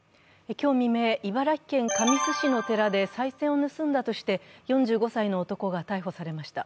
今日未明、茨城県神栖市の寺でさい銭を盗んだとして４５歳の男が逮捕されました。